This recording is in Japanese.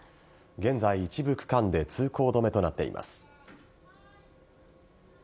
現在、一部区間で通行止めとなっています。